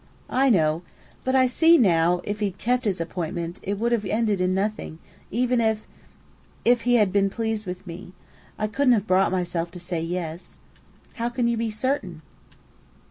"I know. But I see now, if he'd kept his appointment, it would have ended in nothing, even if if he had been pleased with me. I couldn't have brought myself to say 'yes'." "How can you be certain?"